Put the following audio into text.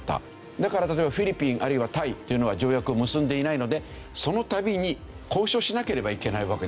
だから例えばフィリピンあるいはタイっていうのは条約を結んでいないのでその度に交渉しなければいけないわけですよね。